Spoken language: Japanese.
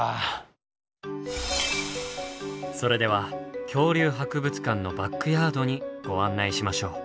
それでは恐竜博物館のバックヤードにご案内しましょう。